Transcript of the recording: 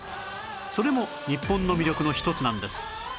それも日本の魅力の一つなんです